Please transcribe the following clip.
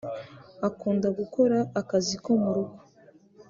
Akunda gukora akazi ko mu rugo